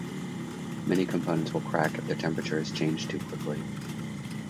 Many components will crack if their temperature is changed too quickly.